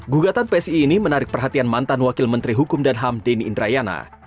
gugatan psi ini menarik perhatian mantan wakil menteri hukum dan ham deni indrayana